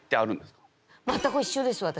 全く一緒です私。